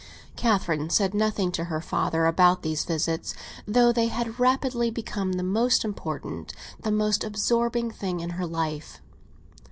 Catherine said nothing to her father about these visits, though they had rapidly become the most important, the most absorbing thing in her life.